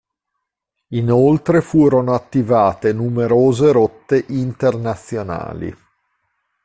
Inoltre furono attivate numerose rotte internazionali.